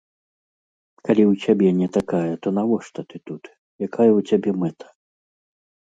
Калі ў цябе не такая, то навошта ты тут, якая ў цябе мэта?